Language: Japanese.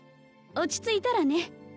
落ち着いたらね